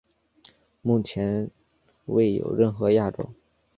目前未有任何亚种。